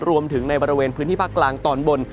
รวมถึงในบริเวณพื้นที่ภาคกลางตอนบน